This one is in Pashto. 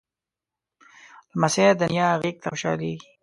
لمسی د نیا غېږ ته خوشحالېږي.